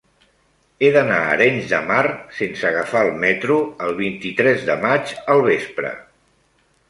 He d'anar a Arenys de Mar sense agafar el metro el vint-i-tres de maig al vespre.